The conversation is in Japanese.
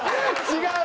違う！